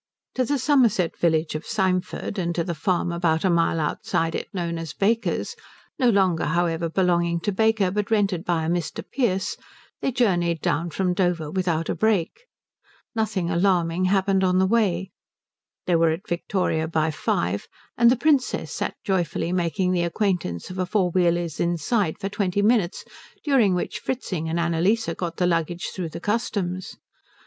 To the Somerset village of Symford and to the farm about a mile outside it known as Baker's, no longer, however, belonging to Baker, but rented by a Mr. Pearce, they journeyed down from Dover without a break. Nothing alarming happened on the way. They were at Victoria by five, and the Princess sat joyfully making the acquaintance of a four wheeler's inside for twenty minutes during which Fritzing and Annalise got the luggage through the customs.